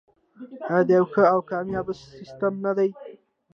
آیا د یو ښه او کامیاب سیستم نه دی؟